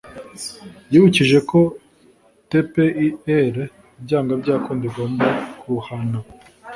yibukije ko tpir byanga byakunda igomba guhana